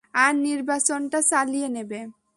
আর নির্বাচনটা চালিয়ে নেবে।